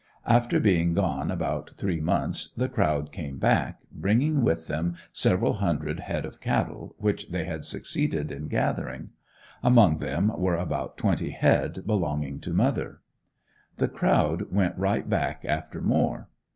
After being gone about three months the crowd came back, bringing with them several hundred head of cattle, which they had succeeded in gathering. Among them were about twenty head belonging to mother. The crowd went right back after more.